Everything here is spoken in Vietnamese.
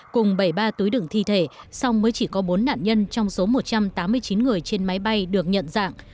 cùng bảy mươi ba túi đựng thi thể xong mới chỉ có bốn nạn nhân trong số một trăm tám mươi chín người trên máy bay được nhận dạng